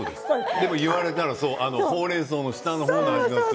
でも言われたら、ほうれんそうの下のところが味がする。